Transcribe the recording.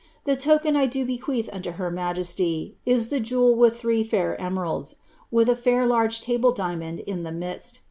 The token I do be<|ucaih unto her majesty, ii the jewel with three fair emeralds, with a fair large table dinmond in the tniiiii.